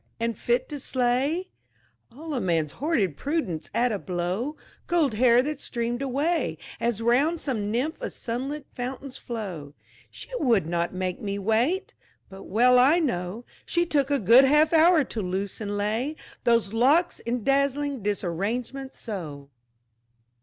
and fit to slay All a man's hoarded prudence at a blow: Gold hair that streamed away As round some nymph a sunlit fountain's flow. "She would not make me wait!" but well I know She took a good half hour to loose and lay Those locks in dazzling disarrangement so!